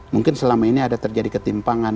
mungkin selama ini ada terjadi ketimpangan